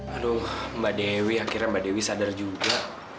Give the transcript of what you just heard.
aduh mbak dewi akhirnya mbak dewi sadar juga